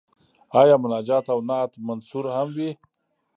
آیا مناجات او نعت منثور هم وي؟